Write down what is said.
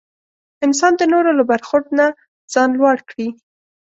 انسان د نورو له برخورد نه ځان لوړ کړي.